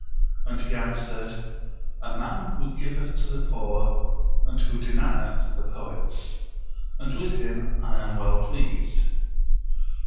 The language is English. "] and he answered, "A man who giveth to the poor, and who denieth the poets; and with him I am well pleased."